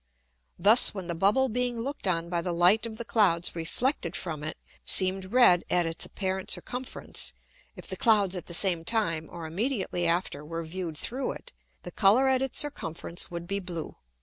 Thus when the Bubble being look'd on by the Light of the Clouds reflected from it, seemed red at its apparent Circumference, if the Clouds at the same time, or immediately after, were view'd through it, the Colour at its Circumference would be blue.